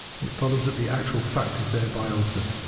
It follows that the actual fact is thereby altered.